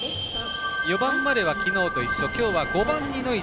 ４番までは今日と一緒。